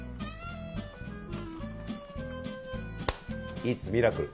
イッツミラクル！